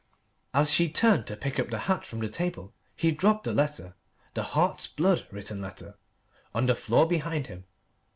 As she turned to pick up the hat from the table, he dropped the letter the heart's blood written letter on the floor behind him.